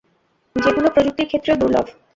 যেগুলো প্রযুক্তির ক্ষেত্রেও দুর্লভ!